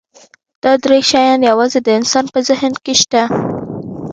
دا درې شیان یواځې د انسان په ذهن کې شته.